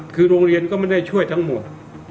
คือโรงเรียนก็ไม่ได้ช่วยทั้งหมด